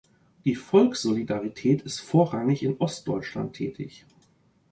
Die Volkssolidarität ist vorrangig in Ostdeutschland tätig.